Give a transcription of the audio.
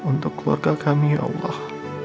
untuk keluarga kami ya allah